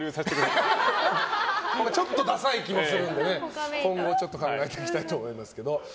ちょっとダサい気もするので今後ちょっと考えていきたいと思います。